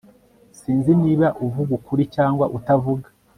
sinzi niba uvuga ukuri cyangwa utavuga